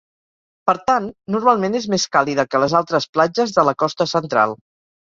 Per tant, normalment és més càlida que les altres platges de la costa central.